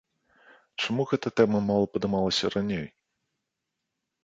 Чаму гэтая тэма мала падымалася раней?